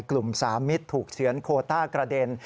กลุ่มสามิสถูกเศื้อนโครต้ากระเด็น